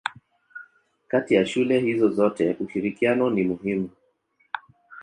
Kati ya shule hizo zote ushirikiano ni muhimu.